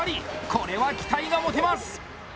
これは期待が持てます。